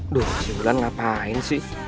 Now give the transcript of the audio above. duh si bulan ngapain sih